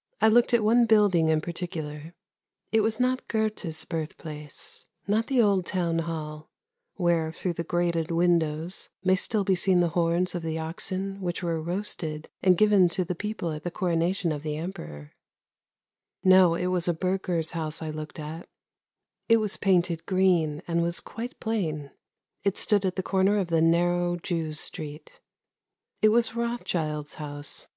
" I looked at one building in particular. It was not Goethe's birthplace, not the old Townhall, where, through the grated windows, may still be seen the horns of the oxen which were roasted and given to the people at the coronation of the Emperor, 256 ANDERSEN'S FAIRY TALES No, it was a burgher's house I looked at; it was painted green, and was quite plain; it stood at the corner of the narrow Jews' street. It was Rothschild's house.